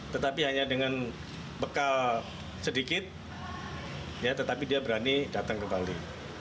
tetapi hanya dengan bekal sedikit tetapi dia berani datang ke bali